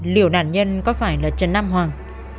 liệu nạn nhân có phải là trần nam hoàng